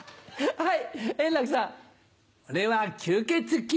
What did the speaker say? はい。